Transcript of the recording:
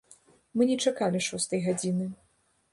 Мы не чакалі шостай гадзіны.